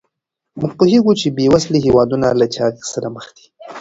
موږ پوهیږو چې بې وزلي هېوادونه له چاغښت سره مخ دي.